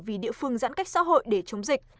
vì địa phương giãn cách xã hội để chống dịch